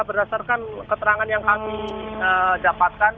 berdasarkan keterangan yang kami dapatkan